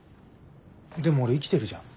でも俺生きてるじゃん。